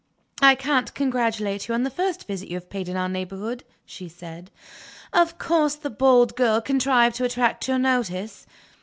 "I can't congratulate you on the first visit you have paid in our neighborhood," she said. "Of course that bold girl contrived to attract your notice?"